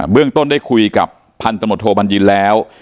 เรื่องต้นได้คุยกับพันธมตโทบัญญินแล้ว